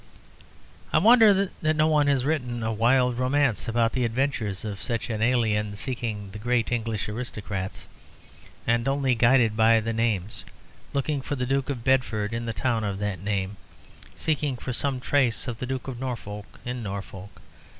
I wonder that no one has written a wild romance about the adventures of such an alien, seeking the great English aristocrats, and only guided by the names; looking for the Duke of Bedford in the town of that name, seeking for some trace of the Duke of Norfolk in Norfolk.